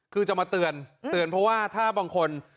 คือจะมาเตือนเตือนเพราะว่าถ้าบางคน